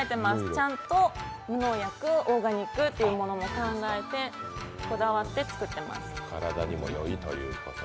ちゃんと無農薬、オーガニックというのを考えて、こだわって作ってます。